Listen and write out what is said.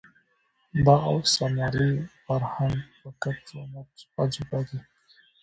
د اوسمهالي فرهنګ په کچ و میچ عجیبه دی.